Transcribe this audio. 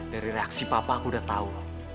dari reaksi papa aku udah tahu